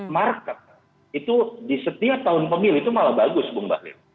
market itu di setiap tahun pemilu itu malah bagus bung bahlil